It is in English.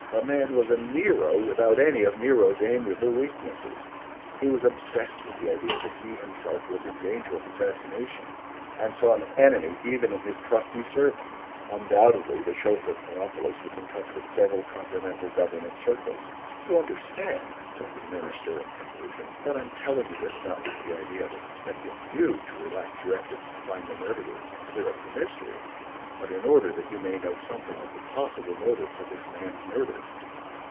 The man was a Nero without any of Nero's amiable weaknesses. He was obsessed with the idea that he himself was in danger of assassination, and saw an enemy even in his trusty servant. Undoubtedly the chauffeur Poropulos was in touch with several Continental government circles. You understand," said the Minister in conclusion, "that I am telling you this, not with the idea of expecting you, to relax your efforts to find the murderer and clear up the mystery, but in order that you may know something of the possible motive for this man's murder."